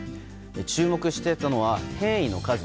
注目していたのは変異の数。